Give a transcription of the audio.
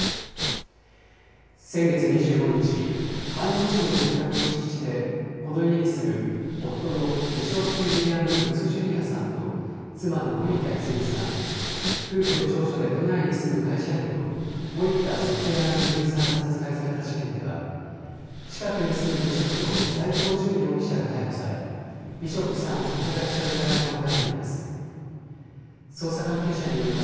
先月２５日、飯能市の住宅の敷地でこの家に住む夫のビショップ・ウィリアム・ロス・ジュニアさんと妻の森田泉さん、夫婦の長女で都内に住む会社員の森田ソフィアナ恵さんが殺害された事件では、近くに住む無職の斎藤淳容疑者が逮捕されビショップさんを殺害した疑いが持たれています。